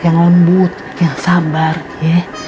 yang lembut yang sabar ya